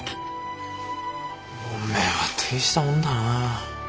お前は大したもんだなあ。